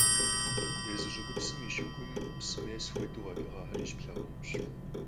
Езы щӀыгупсым и щыгум псым ес хуэдэу къэкӀыгъэхэри щыплъагъунущ.